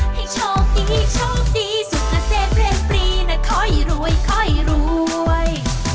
ให้โชคดีโชคดีสุขเกษตรเพลงปรีนะค่อยรวยค่อยรวย